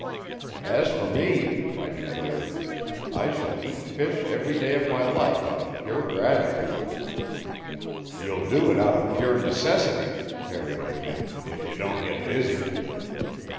"As for me," I declared, "I shall eat fish every day of my life out of pure gratitude." "You'll do it out of pure necessity," Harry put in, "if you don't get busy."